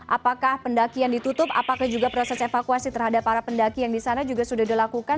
apakah pendakian ditutup apakah juga proses evakuasi terhadap para pendaki yang di sana juga sudah dilakukan